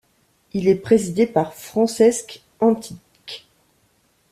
Il est présidé par Francesc Antich.